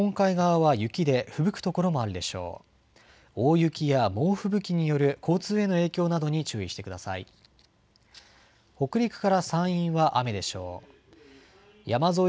大雪や猛吹雪による交通への影響などに注意してください。